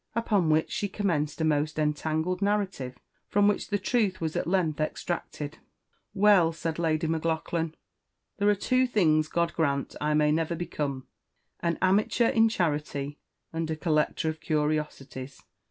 Upon which she commenced a most entangled narrative, from which the truth was at length extracted. "Well," said Lady Maclaughlan, "there are two things God grant I may never become, an, amateur in charity, and a collector of curiosities.